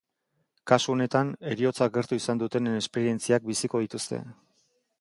Kasu honetan, heriotza gertu izan dutenen esperientziak biziko dituzte.